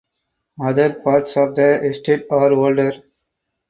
Other parts of the estate are older.